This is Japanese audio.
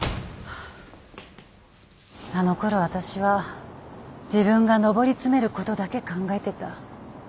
あのころ私は自分が上り詰めることだけ考えてた。